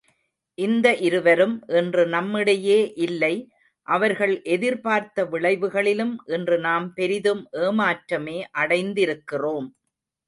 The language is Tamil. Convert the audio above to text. இந்த இருவரும் இன்று நம்மிடையே இல்லை அவர்கள் எதிர்பார்த்த விளைவுகளிலும் இன்று நாம் பெரிதும் ஏமாற்றமே அடைந்திருக்கிறோம்.